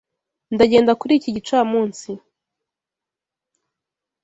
Ndagenda kuri iki gicamunsi.